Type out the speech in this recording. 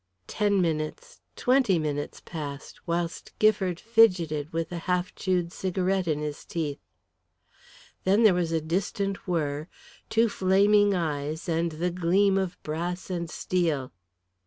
Ten minutes, twenty minutes passed, whilst Gifford fidgeted with a half chewed cigarette in his teeth. Then there was a distant whirr, two flaming eyes and the gleam of brass and steel.